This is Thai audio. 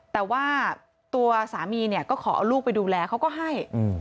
แต่ว่าตัวสามีเนี่ยก็ขอเอาลูกไปดูแลเขาก็ให้